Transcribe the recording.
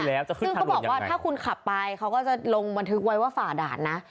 ซึ่งเขาบอกว่าถ้าคุณขับไปเขาก็จะลงบันทึกไว้ว่าฝ่าด่านนะ